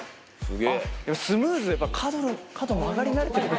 スムーズやっぱ角曲がり慣れてる。